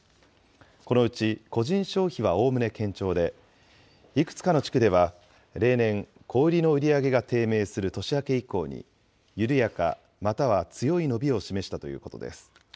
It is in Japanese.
このうち個人消費はおおむね堅調で、いくつかの地区では例年、小売りの売り上げが低迷する年明け以降に、緩やか、または強い伸びを示したということです。